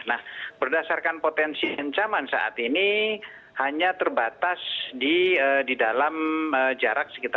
nah berdasarkan potensi ancaman saat ini hanya terbatas di dalam jarak sekitar